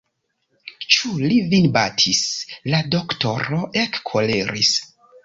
Ĉu li vin batis!? La doktoro ekkoleris.